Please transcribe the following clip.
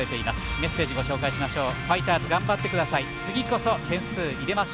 メッセージご紹介しましょう。